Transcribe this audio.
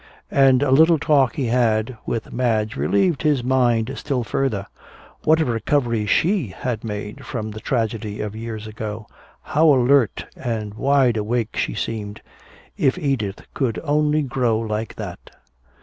And a little talk he had with Madge relieved his mind still further. What a recovery she had made from the tragedy of years ago. How alert and wide awake she seemed. If Edith could only grow like that.